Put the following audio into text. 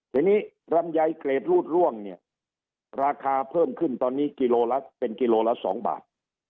ทีนี้ลำไยเกรดรูดร่วงราคาเพิ่มขึ้นตอนนี้เป็น๒บาท